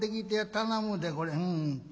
頼むでこれ。